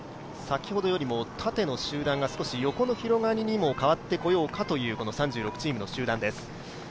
先ほどよりも縦の集団が少し横の広がりにも変わってこようかという３６チームの集団です。